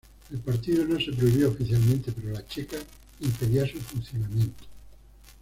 El partido no se prohibió oficialmente, pero la Cheka impedía su funcionamiento.